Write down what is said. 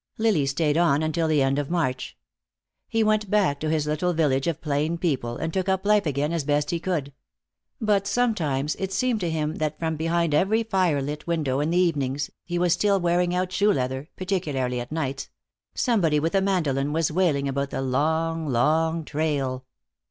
Lily stayed on until the end of March. He went back to his little village of plain people, and took up life again as best he could. But sometimes it seemed to him that from behind every fire lit window in the evenings he was still wearing out shoe leather, particularly at nights somebody with a mandolin was wailing about the long, long trail.